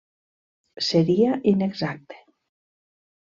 Seria inexacte.